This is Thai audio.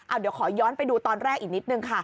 เดี๋ยวขอย้อนไปดูตอนแรกอีกนิดนึงค่ะ